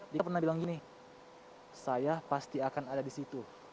dia pernah bilang gini saya pasti akan ada di situ